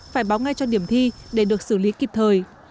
phải báo ngay cho điểm thi để được xử lý kịp thời